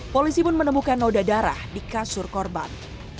polisi pun menemukan noda darah di kasur korban